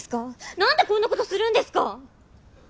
何でこんなことするんですか！